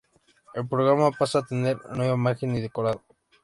El programa pasa a tener nueva imagen y decorado.